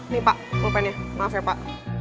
nih pak pulpennya maaf ya pak